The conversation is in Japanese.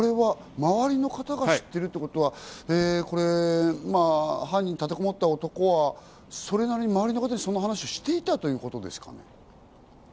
周りの方が知っているということは犯人、立てこもった男はそれなりに周りの方にその話をしていたということですか？